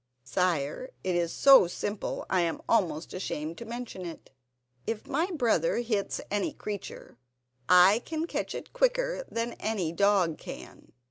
"Sire, it is so simple I am almost ashamed to mention it. If my brother hits any creature I catch it quicker than any dog can.